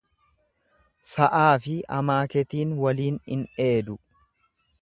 Sa'aa fi amaaketiin waliin in dheedu.